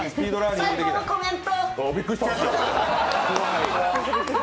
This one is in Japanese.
最高のコメント！